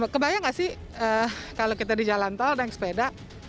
kebayang gak sih kalau kita di jalan tol dan sepeda